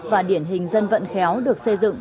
và điển hình dân vận khéo được xây dựng